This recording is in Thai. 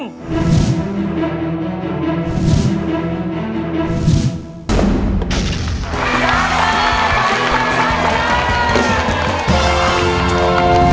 ซ่าซ่าล่าฝันชนะแล้ว